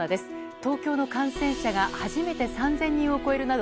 東京の感染者が初めて３０００人を超えるなど